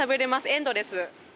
エンドレス。